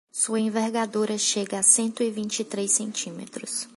Sua envergadura chega a cento e vinte e três centímetros